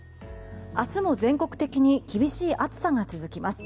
明日も全国的に厳しい暑さが続きます。